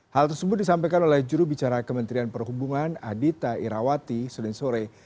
hal tersebut disampaikan oleh juru bicara kementerian perhubungan adhita irawati selin sore